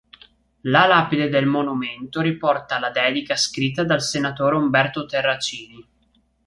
La lapide del monumento riporta la dedica scritta dal senatore Umberto Terracini.